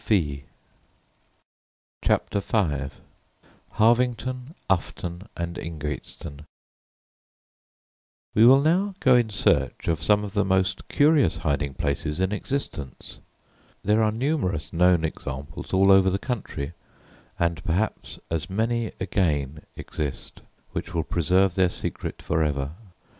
_] CHAPTER V HARVINGTON, UFTON, AND INGATESTONE We will now go in search of some of the most curious hiding places in existence. There are numerous known examples all over the country, and perhaps as many again exist, which will preserve their secret for ever.